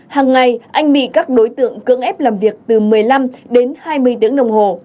hàng ngày anh bị các đối tượng cưỡng ép làm việc từ một mươi năm đến hai mươi tiếng đồng hồ